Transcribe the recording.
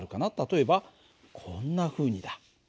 例えばこんなふうにだ。